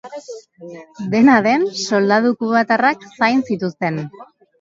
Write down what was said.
Dena den, soldadu kubatarrak zain zituzten.